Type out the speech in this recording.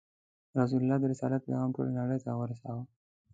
رسول الله د رسالت پیغام ټولې نړۍ ته ورساوه.